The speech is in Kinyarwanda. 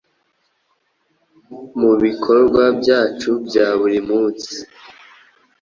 Mu bikorwa byacu bya buri munsi